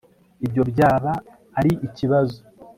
ibyo byaba ari ikibazo